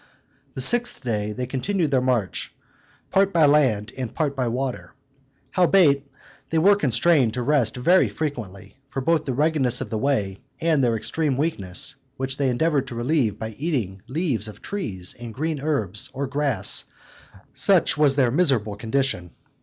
The sixth day they continued their march, part by land and part by water. Howbeit, they were constrained to rest very frequently, both for the ruggedness of the way, and their extreme weakness, which they endeavored to relieve by eating leaves of trees and green herbs, or grass; such was their miserable condition.